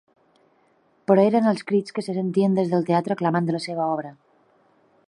Però eren els crits que se sentien des del teatre aclamant la seva obra.